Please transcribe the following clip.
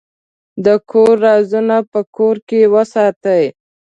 د کور رازونه په کور کې وساتئ.